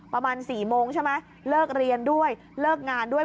ประมาณ๔โมงใช่ไหมเลิกเรียนด้วยเลิกงานด้วย